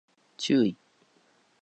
注意